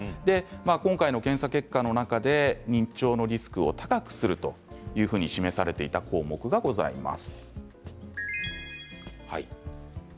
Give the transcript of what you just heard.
今回の検査結果の中で認知症のリスクを高くすると示されていた項目がございます。